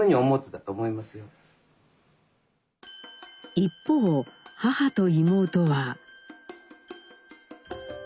一方母と妹は。